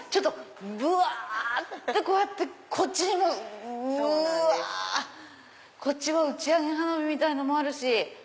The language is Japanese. ぶわってこうやってこっちにも。うわ！こっちは打ち上げ花火みたいのもあるし。